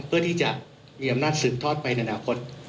เพื่อที่จะมีอำนาจสืบทอดไปในอนาคต